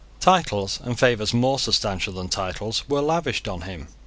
Titles, and favours more substantial than titles, were lavished on him.